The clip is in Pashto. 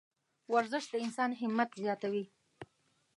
ورزش د انسان همت زیاتوي.